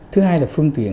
thứ hai là phương tiện